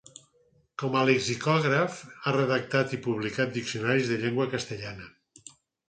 Com a lexicògraf ha redactat i publicat diccionaris de llengua castellana.